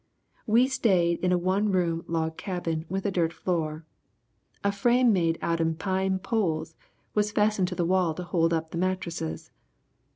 "We stayed in a one room log cabin with a dirt floor. A frame made outen pine poles was fastened to the wall to hold up the mattresses.